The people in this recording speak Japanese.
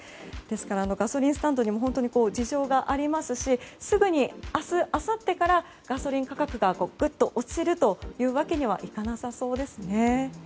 ですから、ガソリンスタンドにも事情がありますしすぐに明日あさってからガソリン価格がぐっと落ちるというわけにはいかなそうですね。